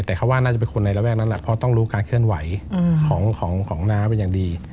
แต่เขาว่าน่าจะเป็นคนในระแวกนั้นแหละเพราะต้องรู้การเคลื่อนไหวของน้าเป็นอย่างดี